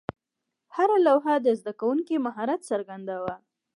هره لوحه د زده کوونکي مهارت څرګنداوه.